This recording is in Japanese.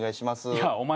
いやお前